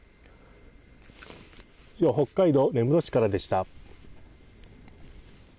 以上、北海道根室市からでした。